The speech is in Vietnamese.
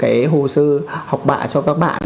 để đầy đủ hồ sơ học bạ cho các bạn